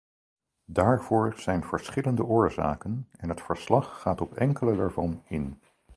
Daarvoor zijn verschillende oorzaken en het verslag gaat op enkele daarvan in.